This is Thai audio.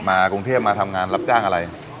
กรุงเทพมาทำงานรับจ้างอะไร